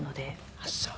あっそう。